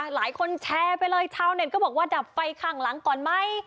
หลายคนแชร์ไปเลยชาวเน็ตก็บอกว่าดับไฟข้างหลังก่อนไหม